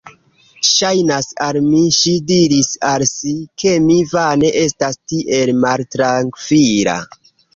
Ŝajnas al mi, ŝi diris al si, ke mi vane estas tiel maltrankvila.